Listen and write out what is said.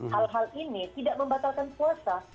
hal hal ini tidak membatalkan puasa